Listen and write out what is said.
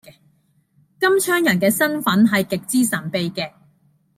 金槍人嘅身份係極之神秘嘅